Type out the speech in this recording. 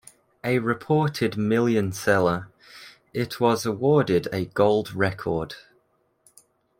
A reported million-seller, it was awarded a Gold record.